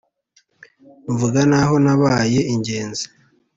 Mvuga n'aho nabaye ingenzi